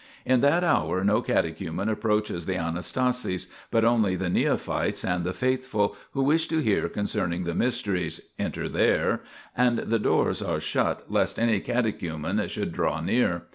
In that hour no catechumen approaches the Anastasis, but only the neophytes and the faithful, who wish to hear concerning the mysteries, enter there, and the doors are shut lest any catechumen should draw near.